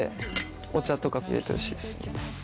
お茶とか入れてほしいですね。